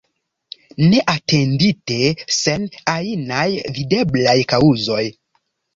Neatendite, sen ajnaj videblaj kaŭzoj.